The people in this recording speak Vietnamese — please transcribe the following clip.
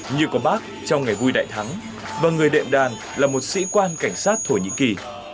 như có bác trong ngày vui đại thắng và người đệm đàn là một sĩ quan cảnh sát thổ nhĩ kỳ